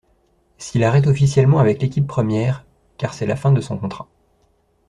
S'il arrête officiellement avec l'équipe première car c'est la fin de son contrat.